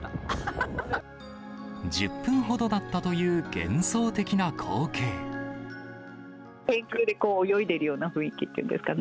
１０分ほどだったという幻想天空で泳いでいるような雰囲気っていうんですかね。